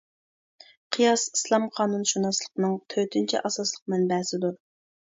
قىياس ئىسلام قانۇنشۇناسلىقىنىڭ تۆتىنچى ئاساسلىق مەنبەسىدۇر.